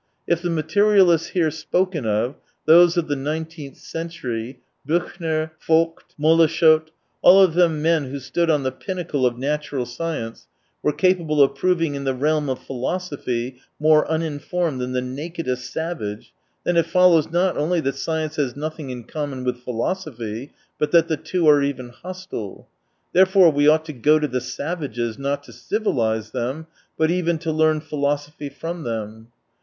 If the materialists here spoken of, those of the nineteenth century, Biichner, Vogt, Mole sch ot, all of them men who stood on the pinnacle of natural science, were capable of proving in the realm of pliilosophy more uninformed than the nakedest savage, then it follows, not only that science has nothing in common with philosophy, but that the two are even hostile. Therefore we ought to go to the savages, not to civilise them, but even to learn philosophy from them.